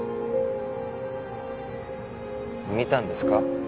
見たんですか？